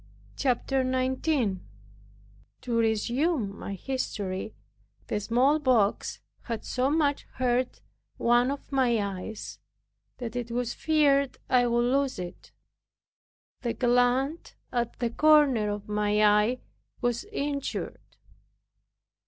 CHAPTER 19 To resume my history, the smallpox had so much hurt one of my eyes, that it was feared I would lose it. The gland at the corner of my eye was injured.